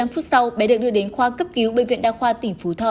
một mươi phút sau bé được đưa đến khoa cấp cứu bệnh viện đa khoa tỉnh phú thọ